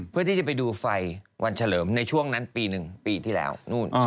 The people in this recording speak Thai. เพื่อที่จะไปดูไฟวันเฉลิมในช่วงนั้นปีหนึ่งปีที่แล้วนู่น